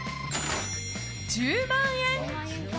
１０万円。